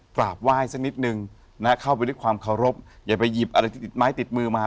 กราบไหว้สักนิดนึงนะฮะเข้าไปด้วยความเคารพอย่าไปหยิบอะไรที่ติดไม้ติดมือมา